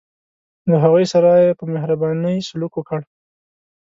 له هغوی سره یې په مهربانۍ سلوک وکړ.